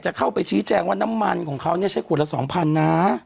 เข้าไปชี้แจงว่าน้ำมันของเขาเนี่ยใช้ขวดละ๒๐๐นะ